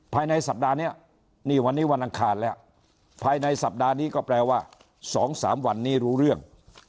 ภายในสัปดาห์นี้นี่วันนี้วันอังคารแล้วภายในสัปดาห์นี้ก็แปลว่า๒๓วันนี้รู้เรื่อง